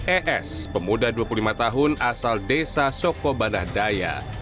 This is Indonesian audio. es pemuda dua puluh lima tahun asal desa sokobanah daya